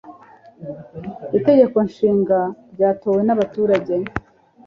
itegeko Nshinga ryatowe n'abaturage